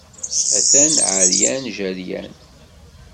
Atan ɛeryan, jeryan.